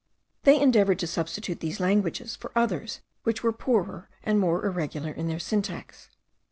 They endeavoured to substitute these languages for others which were poorer and more irregular in their syntax.